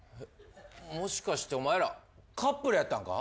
もしかしてお前らカップルやったんか？